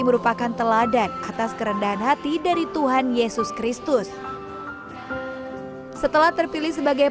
merupakan teladan atas kerendahan hati dari tuhan yesus kristus setelah terpilih sebagai